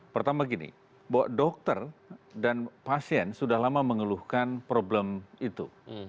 pertama gini bahwa dokter dan pasien sudah lama mengeluhkan problem itu